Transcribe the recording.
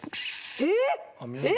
えっ！